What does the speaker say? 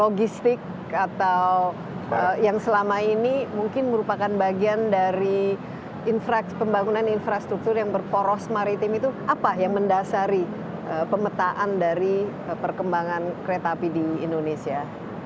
logistik atau yang selama ini mungkin merupakan bagian dari infrast pembangunan infrastruktur yang berporos maritim itu apa yang mendasari pemetaan dari perkembangan kereta api di indonesia